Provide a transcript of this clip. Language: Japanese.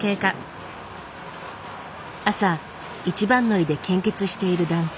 朝一番乗りで献血している男性。